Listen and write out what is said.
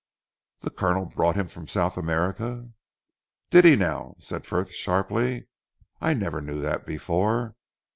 "The Colonel brought him from South America?" "Did he now?" said Frith sharply, "I never knew that before.